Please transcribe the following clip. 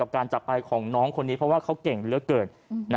การจับไปของน้องคนนี้เพราะว่าเขาเก่งเหลือเกิน